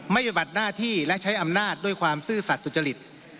ปฏิบัติหน้าที่และใช้อำนาจด้วยความซื่อสัตว์สุจริต